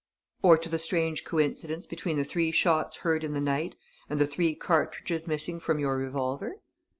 "Or to the strange coincidence between the three shots heard in the night and the three cartridges missing from your revolver?"